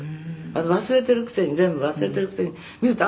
「忘れているくせに全部忘れているくせに見ると